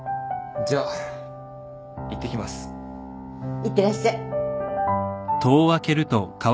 いってらっしゃい。